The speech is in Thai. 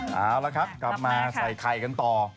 เอาละครับกลับมาใส่ไข่กันต่อ